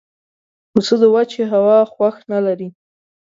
پسه د وچې هوا خوښ نه لري.